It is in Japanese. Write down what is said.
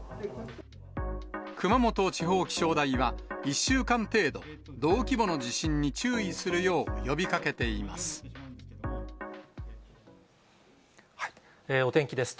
熊本地方気象台は、１週間程度、同規模の地震に注意するよう呼びお天気です。